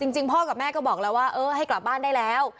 จริงพ่อกับแม่ก็บอกแล้วว่าเออให้กลับบ้านได้แล้ว